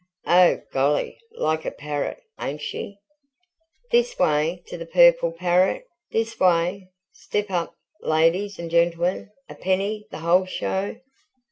"Oh, golly! Like a parrot ain't she?" "This way to the purple parrot this way! Step up, ladies and gentlemen! A penny the whole show!"